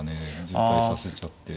渋滞させちゃって。